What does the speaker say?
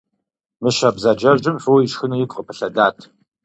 Мыщэ бзаджэжьым фо ишхыну игу къыпылъэдат.